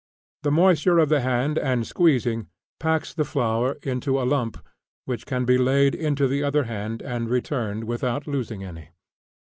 The moisture of the hand and squeezing, packs the flour into a lump, which can be laid into the other hand and returned without losing any.